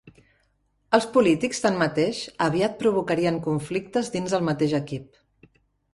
Els polítics, tanmateix, aviat provocarien conflictes dins el mateix equip.